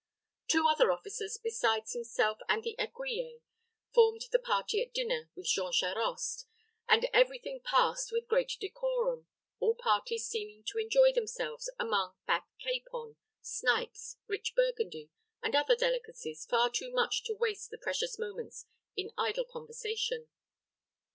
Two other officers, besides himself and the écuyer, formed the party at dinner with Jean Charost, and every thing passed with great decorum, all parties seeming to enjoy themselves among fat capon, snipes, rich Burgundy, and other delicacies, far too much to waste the precious moments in idle conversation.